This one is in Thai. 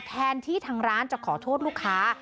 แทนที่ทางร้านจะขอโทษลูกค้า